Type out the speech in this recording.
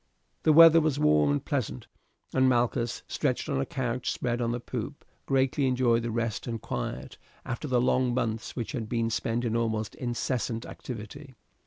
The weather was warm and pleasant, and Malchus, stretched on a couch spread on the poop, greatly enjoyed the rest and quiet, after the long months which had been spent in almost incessant activity.